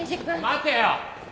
待てよ。